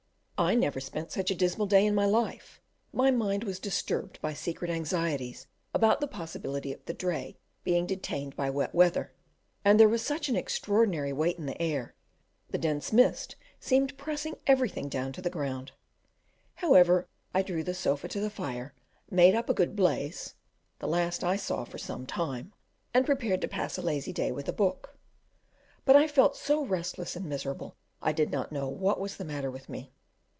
I never spent such a dismal day in my life: my mind was disturbed by secret anxieties about the possibility of the dray being detained by wet weather, and there was such an extraordinary weight in the air, the dense mist seemed pressing everything down to the ground; however, I drew the sofa to the fire, made up a good blaze (the last I saw for some time), and prepared to pass a lazy day with a book; but I felt so restless and miserable I did not know what was the matter with me.